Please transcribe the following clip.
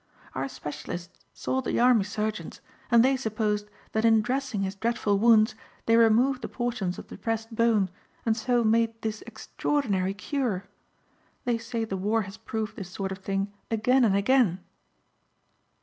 Our specialists saw the army surgeons and they supposed that in dressing his dreadful wounds they removed the portions of depressed bone and so made this extraordinary cure. They say the war has proved this sort of thing again and again."